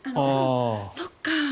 そっか。